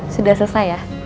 sudah selesai ya